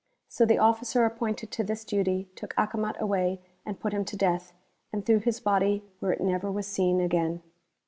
So the officer appointed to this duty took Acomat away and put him to ileath, and tiirew his body where it never was seen again.